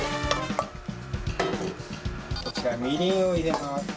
こちらみりんを入れます。